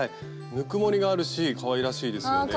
ぬくもりがあるしかわいらしいですよね。